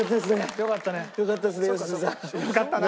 よかったな。